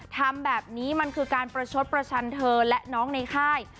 ทำแบบนี้มันคือการประชดประชันเธอและน้องในค่าย